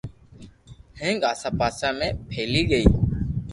ھینگ آسا پاسا ۾ ڦیھلِي گئي